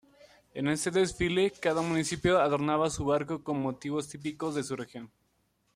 En este desfile cada municipio adornaba su barco con motivos típicos de su región.